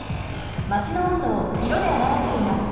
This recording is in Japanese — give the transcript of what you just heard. マチの温度をいろであらわしています。